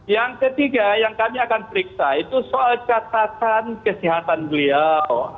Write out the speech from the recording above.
yang ketiga yang kami akan periksa itu soal catatan kesehatan beliau